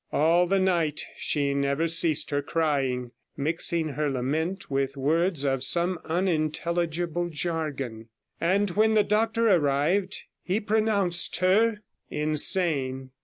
All the night she never ceased her crying, mixing her lament with words of some unintelligible jargon, and when the doctor arrived he pronounced her 77 insane.